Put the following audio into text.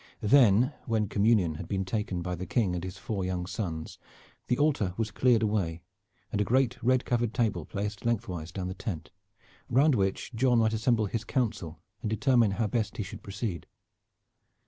Then, when communion had been taken by the King and his four young sons the altar was cleared away, and a great red covered table placed lengthwise down the tent, round which John might assemble his council and determine how best he should proceed.